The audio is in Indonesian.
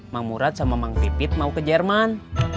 mang murad sama mang pipit mau ke jerman